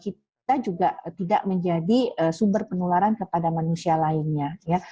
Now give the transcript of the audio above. kita juga tidak menjadi sumber penularan kepada manusia lainnya ya